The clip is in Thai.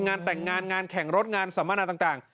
งานแต่งงานงานแข่งรถงานสัมมนาต่าง